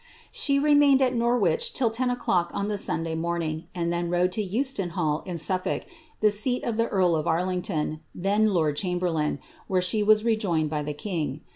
She remained at Norwich till ten oVlock on the Sunday momioSf and then rode to Euston hall in SuflTolk, the seat of the earl of Ariingtoo, then lord chamberlain, where she was rejoined by the king.